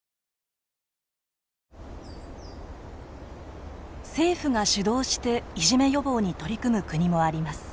政府が主導していじめ予防に取り組む国もあります。